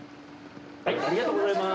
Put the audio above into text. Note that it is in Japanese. ありがとうございます。